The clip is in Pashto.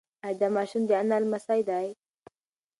ایا دا ماشوم د انا لمسی دی؟